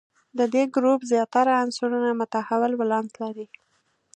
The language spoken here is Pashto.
د دې ګروپ زیاتره عنصرونه متحول ولانس لري.